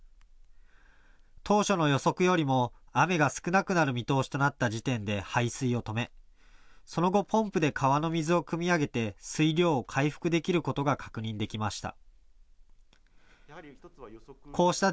当初の予測よりも雨が少なくなる見通しとなった時点で排水を止め、その後、ポンプで川の水をくみ上げて水量を回復できることが確認できました。